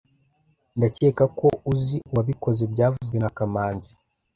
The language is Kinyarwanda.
Ndakeka ko uzi uwabikoze byavuzwe na kamanzi